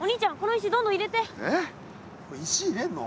石入れんの？